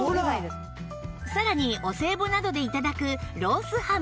さらにお歳暮などで頂くロースハム